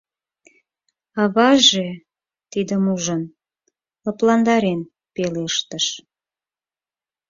Аваже, тидым ужын, лыпландарен пелештыш: